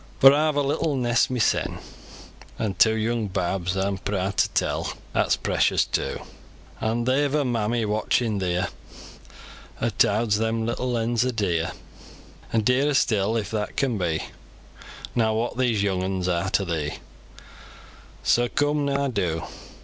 For aw've a little nest misel, An' two young babs, aw'm praad to tell, 'At's precious too; An' they've a mammy watching thear, 'At howds them little ens as dear, An' dearer still, if that can be, Nor what thease youngens are to thee, Soa come, nah do!